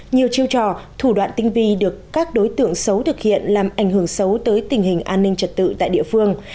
nhiều chiêu trò thủ đoạn tinh vi được các đối tượng xấu thực hiện làm ảnh hưởng xấu tới tình hình an ninh trật tự tại địa phương